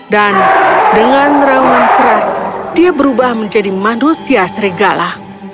dan dengan rawangan keras dia berubah menjadi manusia serigala